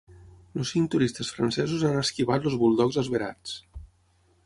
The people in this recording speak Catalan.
Els cinc turistes francesos han esquivat els buldogs esverats.